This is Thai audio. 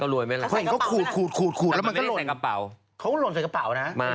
คุณแห่งก็ขูดแล้วมันก็หล่นมันหล่นกับพื้นอ๋อต้องใส่กระเป๋าตั้ง